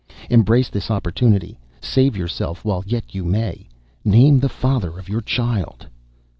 Embrace this opportunity save yourself while yet you may. Name the father of your child!"